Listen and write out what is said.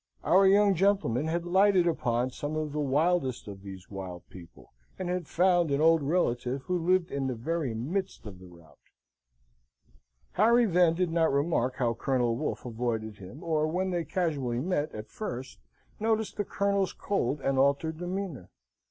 Our young gentleman had lighted upon some of the wildest of these wild people, and had found an old relative who lived in the very midst of the rout. Harry then did not remark how Colonel Wolfe avoided him, or when they casually met, at first, notice the Colonel's cold and altered demeanour.